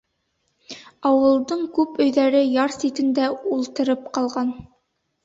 Ауылдың күп өйҙәре яр ситендә ултырып ҡалған.